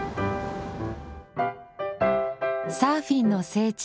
サーフィンの聖地